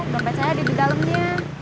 bapak saya ada di dalamnya